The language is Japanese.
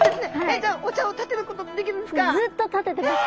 じゃあお茶をたてることもできるんですか？